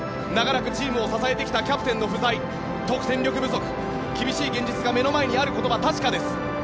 長らくチームを支えてきたキャプテンの不在得点力不足厳しい現実が目の前にあることは確かです。